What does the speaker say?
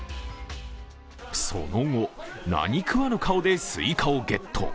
その後、何食わぬ顔ですいかをゲット。